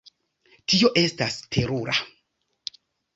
Tio estas terura!